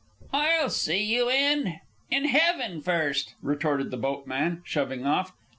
"I'll see you in in heaven first," retorted the boatman, shoving off.